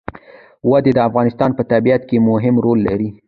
وادي د افغانستان په طبیعت کې مهم رول لري.